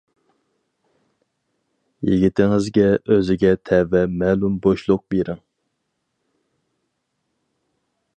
يىگىتىڭىزگە ئۆزىگە تەۋە مەلۇم بوشلۇق بېرىڭ.